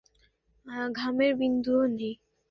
ঘামের বিন্দুও নেই।